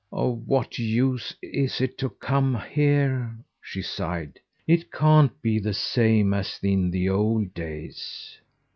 "Of what use is it to come here?" she sighed. "It can't be the same as in the old days!"